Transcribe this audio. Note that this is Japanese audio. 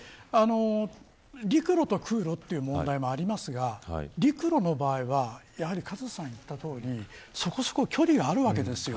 陸路と空路という場合もありますが陸路の場合はカズさん、言ったとおりそこそこ距離があるわけです。